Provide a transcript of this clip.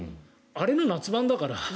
あれの夏版だから。